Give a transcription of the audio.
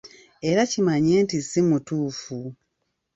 Era kimanye nti si mutuufu.